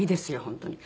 本当に。